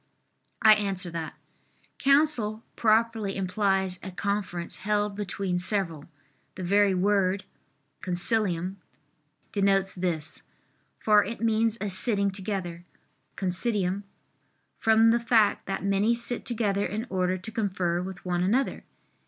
I answer that, Counsel properly implies a conference held between several; the very word (consilium) denotes this, for it means a sitting together (considium), from the fact that many sit together in order to confer with one another.